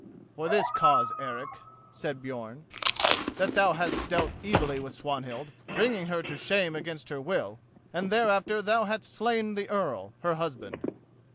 "For this cause, Eric," said Björn, "that thou hadst dealt evilly with Swanhild, bringing her to shame against her will, and thereafter that thou hadst slain the Earl, her husband."